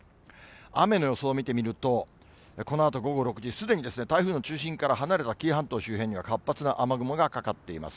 雨の予想を見てみると、このあと午後６時、すでに台風の中心から離れた紀伊半島周辺には活発な雨雲がかかっています。